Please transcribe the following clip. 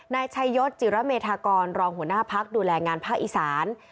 นายชัยยศจิระเมธากรรองหัวหน้าพักดูแลงานภาคอีสาน